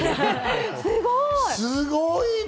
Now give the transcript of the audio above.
すごいね！